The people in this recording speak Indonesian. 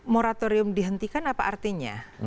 moratorium dihentikan apa artinya